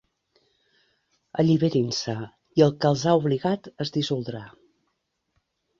Alliberin-se, i el que els ha obligat es dissoldrà.